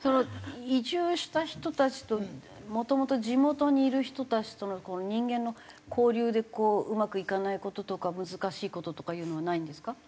移住した人たちともともと地元にいる人たちとの人間の交流でうまくいかない事とか難しい事とかいうのはないんですか？